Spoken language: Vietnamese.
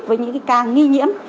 với những ca nghi nhiễm